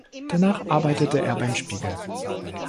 Danach arbeitete er beim "Spiegel".